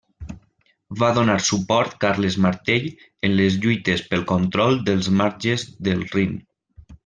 Va donar suport Carles Martell en les lluites pel control dels marges del Rin.